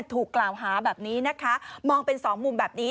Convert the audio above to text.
ถูกกล่าวหาแบบนี้นะคะมองเป็นสองมุมแบบนี้